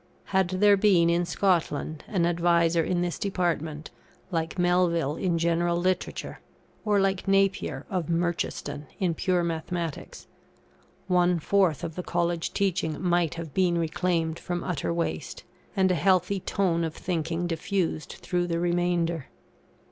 Had there been in Scotland an adviser in this department, like Melville in general literature, or like Napier of Merchiston in pure mathematics, one fourth of the college teaching might have been reclaimed from utter waste, and a healthy tone of thinking diffused through the remainder.